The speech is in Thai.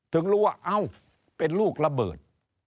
ถึงรู้ว่าเอ้าเป็นลูกระเบิด